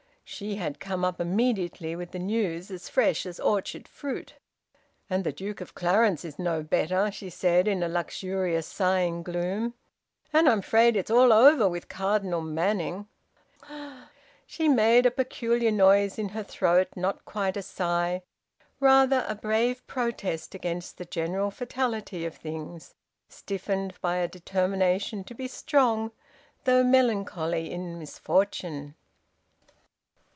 She had come up immediately with the news as fresh as orchard fruit. "And the Duke of Clarence is no better," she said, in a luxurious sighing gloom. "And I'm afraid it's all over with Cardinal Manning." She made a peculiar noise in her throat, not quite a sigh; rather a brave protest against the general fatality of things, stiffened by a determination to be strong though melancholy in misfortune.